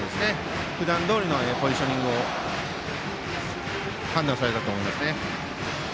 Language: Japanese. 普段どおりのポジショニングでと判断されたと思います。